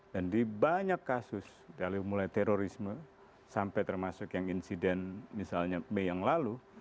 dan di banyak kasus dari mulai terorisme sampai termasuk yang insiden misalnya mei yang lalu